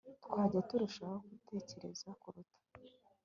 twajya turushaho gutekereza kuruta